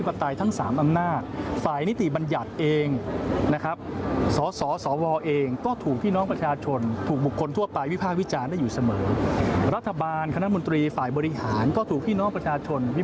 ฟังเสียงกันหน่อยค่ะ